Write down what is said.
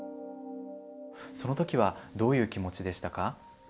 その時はどういう気持ちでしたか？